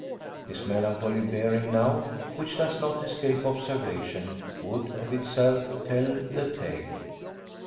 His melancholy bearing now, which does not escape observation, would of itself tell the tale.